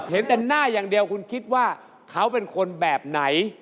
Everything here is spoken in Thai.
เห็นแต่หน้าอย่างเดียวคุณคิดว่าเขาเป็นคนแบบไหน